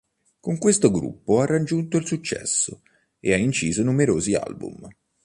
Con questo gruppo ha raggiunto il successo e ha inciso numerosi album.